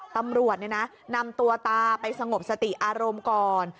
ตำรวจนำตัวตาไปสงบสติอารมณ์ก่อน